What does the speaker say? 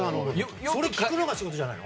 それ聞くのが仕事じゃないの？